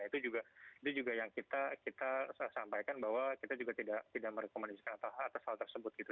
itu juga itu juga yang kita kita sampaikan bahwa kita juga tidak tidak merekomendasikan atas hal tersebut gitu